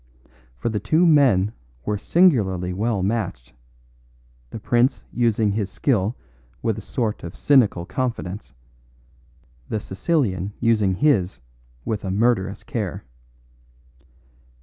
For the two men were singularly well matched, the prince using his skill with a sort of cynical confidence, the Sicilian using his with a murderous care.